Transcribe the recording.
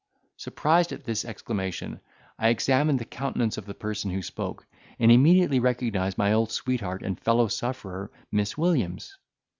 Surprised at this exclamation, I examined the countenance of the person who spoke, and immediately recognised my old sweetheart and fellow sufferer, Miss Williams.